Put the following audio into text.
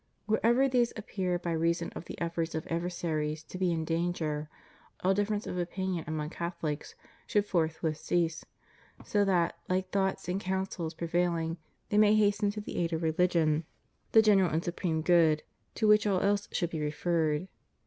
Wherever these appear by reason of the efforts of adversaries to be in danger, all differences of opinion among CathoUcs should forthwith cease, so that, like thoughts and counsels prevailing, they may hasten to the aid of religion, the general and supreme good, to which all else should be referred.